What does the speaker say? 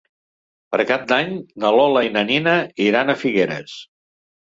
Per Cap d'Any na Lola i na Nina iran a Figueres.